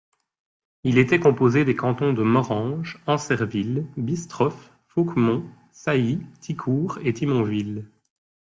Il était composé des cantons de Morhange, Ancerville, Bistroff, Fauquemont, Sailly, Thicourt et Thimonville.